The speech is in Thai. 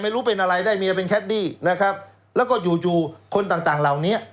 ไม่รู้เป็นอะไรได้เมียเป็นแคดดี้นะครับแล้วก็อยู่จู่คนต่างต่างเหล่านี้